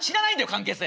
関係性。